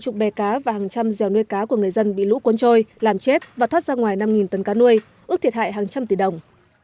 chục bè cá và hàng trăm dẻo nuôi cá của người dân bị lũ cuốn trôi làm chết và thoát ra ngoài năm tấn cá nuôi ước thiệt hại hàng trăm tỷ đồng